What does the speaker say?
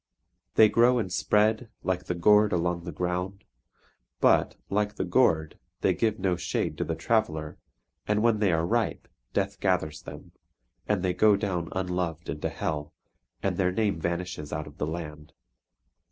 They grow and spread, like the gourd along the ground; but, like the gourd, they give no shade to the traveller, and when they are ripe death gathers them, and they go down unloved into hell, and their name vanishes out of the land.